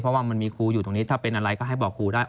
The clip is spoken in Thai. เพราะว่ามันมีครูอยู่ตรงนี้ถ้าเป็นอะไรก็ให้บอกครูได้